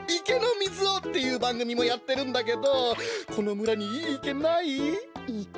池の水を！」っていうばんぐみもやってるんだけどこのむらにいいいけない？